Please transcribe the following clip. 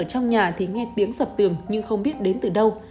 ở trong nhà thì nghe tiếng sập tường nhưng không biết đến từ đâu